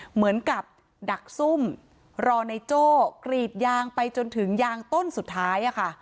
เหมือนกับดักซุ่มรอในโจ้กรีดยางไปจนถึงยางต้นสุดท้ายค่ะ